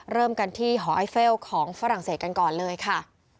เริ่มกันที่หอไอเฟลของฝรั่งเศสกันก่อนเลยค่ะ